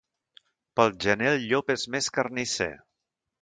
Pel gener el llop és més carnisser.